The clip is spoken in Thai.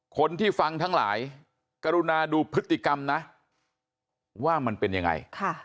คนที่ฟังทั้งหลายกรุณาดูพฤติกรรมนะว่ามันเป็นยังไง